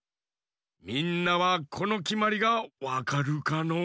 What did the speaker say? みんなはこのきまりがわかるかのう？